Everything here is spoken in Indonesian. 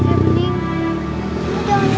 kamu jangan minta maaf